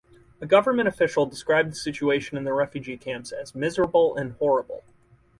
A government official described the situation in the refugee camps as "miserable and horrible".